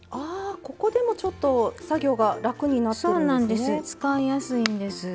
ここでもちょっと作業が楽になっているんですね。